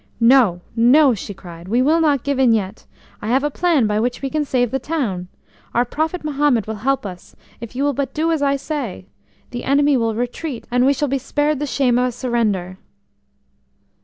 "No, no," she cried, "we will not give in yet. I have a plan by which we can save the town. Our prophet Mahomet will help us, if you will but do as I say; the enemy will retreat, and we shall be spared the shame of a surrender."